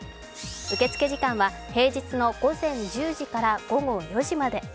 受付時間は平日の午前１０時から午後４時まで。